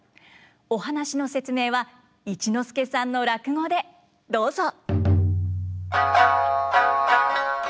お話の説明は一之輔さんの落語でどうぞ。